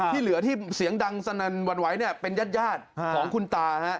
ที่เหลือที่เสียงดังสนั่นหวั่นไหวเป็นญาติของคุณตา